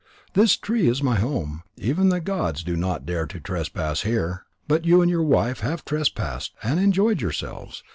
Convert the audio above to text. This tree is my home; even the gods do not dare to trespass here. But you and your wife have trespassed and enjoyed yourselves.